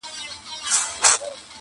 ورته کښې یې ښوده ژر یوه تلکه,